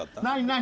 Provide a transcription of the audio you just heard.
何？